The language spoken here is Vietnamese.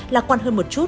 lạc quan hơn một chút